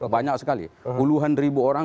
banyak sekali puluhan ribu orang